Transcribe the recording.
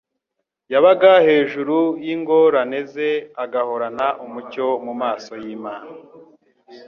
Yabaga hejuru y'ingorane ze, agahorana umucyo mu maso y'Imana.